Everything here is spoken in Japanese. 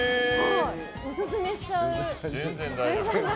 オススメしちゃう。